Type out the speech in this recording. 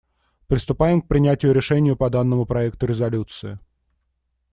Приступаем к принятию решения по данному проекту резолюции.